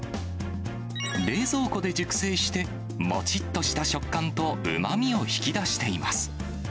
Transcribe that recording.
冷蔵庫で熟成して、もちっとした食感とうまみを引き出しています。